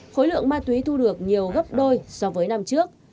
khối lượng ma túy thu được nhiều gấp đôi so với năm trước